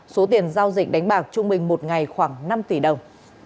số tiền giao dịch đánh bạc trung bình một ngày khoảng năm tỷ đồng